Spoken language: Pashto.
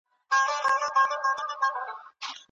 خصوصي پوهنتون په زوره نه تحمیلیږي.